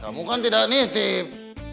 kamu kan tidak nitip